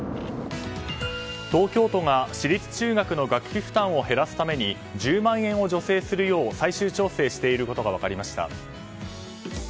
東京都が私立中学の学費負担を減らすために１０万円を助成するよう最終調整していることが分かりました。